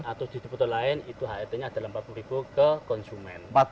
atau di depot lain itu hetnya adalah rp empat puluh ke konsumen